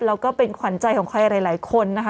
แล้วก็เป็นขวัญใจของใครหลายคนนะคะ